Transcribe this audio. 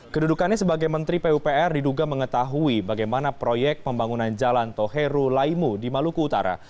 kedudukannya sebagai menteri pupr diduga mengetahui bagaimana proyek pembangunan jalan toheru laimu di maluku utara